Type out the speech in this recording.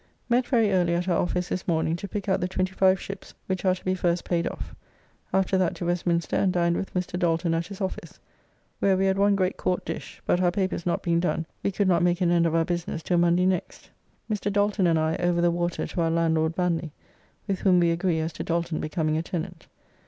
Met very early at our office this morning to pick out the twenty five ships which are to be first paid off: After that to Westminster and dined with Mr. Dalton at his office, where we had one great court dish, but our papers not being done we could [not] make an end of our business till Monday next. Mr. Dalton and I over the water to our landlord Vanly, with whom we agree as to Dalton becoming a tenant.